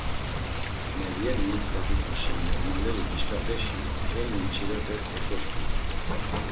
Meryemi, Zabit̆işi moğmaleri dişǩapeşi enni mçirepe koǩoşǩiğu.